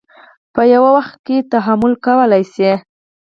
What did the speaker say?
په یوه وخت کې تحمل کولی شي.